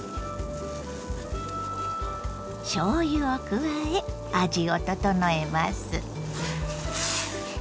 しょうゆを加え味を調えます。